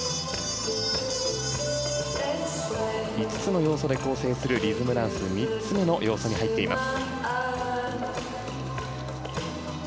５つの要素で構成するリズムダンス３つ目の要素に入っています。